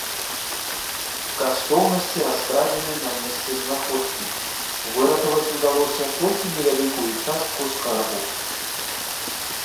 Каштоўнасці раскрадзены на месцы знаходкі, выратаваць удалося толькі невялікую частку скарбу.